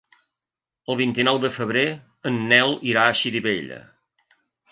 El vint-i-nou de febrer en Nel irà a Xirivella.